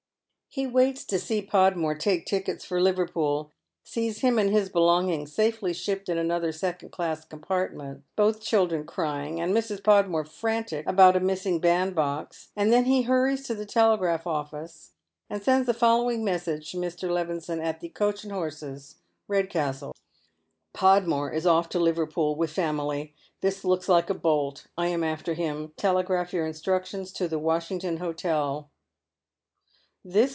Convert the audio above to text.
He waits to see Podmore take tickets for Liver pool, sees him and his belongings safely shipped in another second class compartment, both children crying, and Mrs. Pod more frantic about a missing bandbox, and then he hurries to the telegraph office and sends the following message to Mr. Levison at the " Coach and Horses," Redcastle :—" Podmore is ofE to Liverpool with family. This looks like a bolt. I am after him. Telegraph your instructions to the Wash ington Hotel."